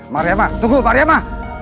mariama tunggu mariama